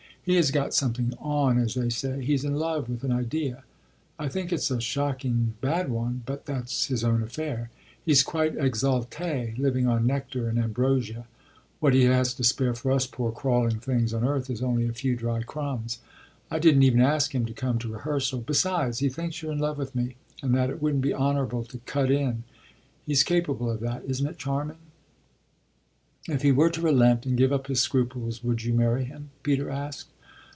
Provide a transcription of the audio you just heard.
He has got something 'on,' as they say; he's in love with an idea. I think it's a shocking bad one, but that's his own affair. He's quite exalté; living on nectar and ambrosia what he has to spare for us poor crawling things on earth is only a few dry crumbs. I didn't even ask him to come to rehearsal. Besides, he thinks you're in love with me and that it wouldn't be honourable to cut in. He's capable of that isn't it charming?" "If he were to relent and give up his scruples would you marry him?" Peter asked.